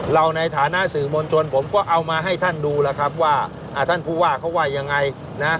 เราในฐานะสื่อมวลชนผมก็เอามาให้ท่านดูแล้วครับว่าท่านผู้ว่าเขาว่ายังไงนะ